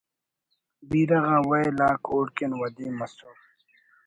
بیرہ غا ویل آک اوڑکن ودی مسر